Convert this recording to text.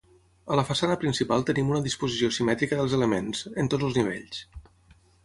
A la façana principal tenim una disposició simètrica dels elements, en tots els nivells.